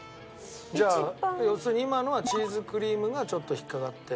じゃあ要するに今のはチーズクリームがちょっと引っかかって。